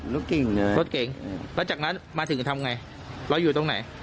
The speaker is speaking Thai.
รถเก่ง